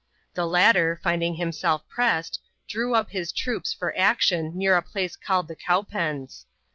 The latter, finding himself pressed, drew up his troops for action near a place called the Cowpens.